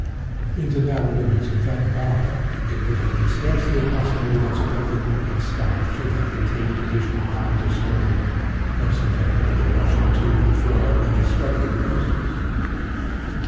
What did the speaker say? In the narrow limits of that bower, it would have been scarcely possible that the petticoat and scarf should have retained a position upon the stones, when subjected to the brushing to and fro of many struggling persons.